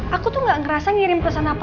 aku tuh gak ngerasa ngirim pesan apa